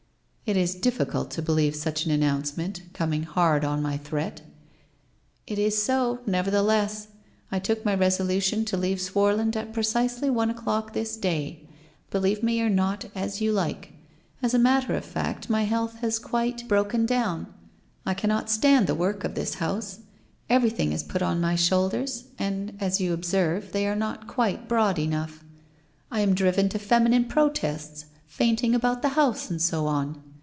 ' 1 It is difficult to believe such an announcement, coming hard on my threat.' ' It is so, nevertheless ! I took my resolution to leave Swarland at precisely one o'clock this day. Believe me or not as you like. As a matter of fact my health has quite 356 WHITE ROSE OF WEARY LEAF broken down: I cannot stand the work of this house. Everything is put on my shoulders and as you observe, they are not quite broad enough. I am driven to feminine protests — fainting about the house and so on.